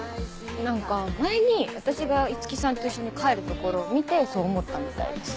何か前に私が五木さんと一緒に帰るところを見てそう思ったみたいです。